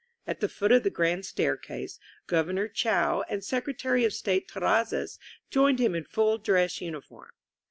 At the foot of the grand stair case, Governor Chao and Secretary of State Terrazzas joined him in fuU dress uniform.